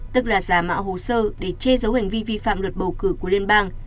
tức là giả mạo hồ sơ để che giấu hành vi vi phạm luật bầu cử của liên bang